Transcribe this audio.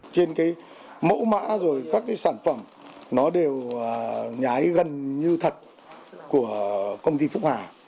trên cái mẫu mã rồi các cái sản phẩm nó đều nhái gần như thật của công ty phúc hà